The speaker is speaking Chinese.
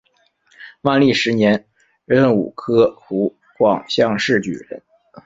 万历十年壬午科湖广乡试举人。